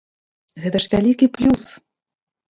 Гэта ж вялікі плюс!